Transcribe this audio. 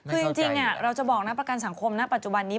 คือจริงเราจะบอกนะประกันสังคมณปัจจุบันนี้